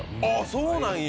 そうなんや。